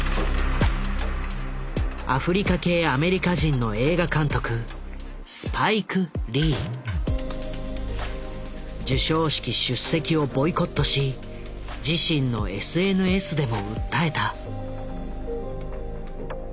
アフリカ系アメリカ人の映画監督授賞式出席をボイコットし自身のＳＮＳでも訴えた。